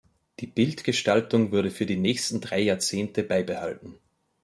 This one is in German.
Die Bildgestaltung wurde für die nächsten drei Jahrzehnte beibehalten.